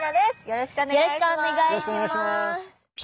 よろしくお願いします。